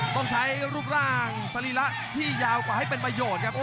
ต้องใช้รูปร่างสรีระที่ยาวกว่าให้เป็นประโยชน์ครับ